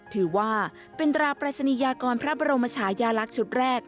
ถือว่าเป็นตราปรายศนียากรพระบรมชายาลักษณ์ชุดแรก